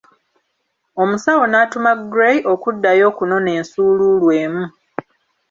Omusawo n'atuma Gray okuddayo okunona ensuuluulu emu.